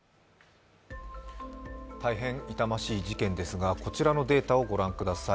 大変痛ましい事件ですが、こちらのデータを御覧ください。